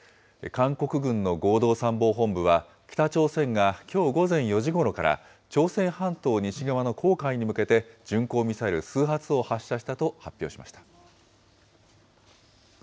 韓国軍の合同参謀本部は、北朝鮮がきょう午前４時ごろから、朝鮮半島西側の黄海に向けて、巡航ミサイル数発を発射したと発表しました。